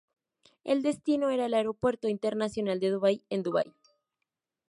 El destino era el Aeropuerto Internacional de Dubai en Dubai.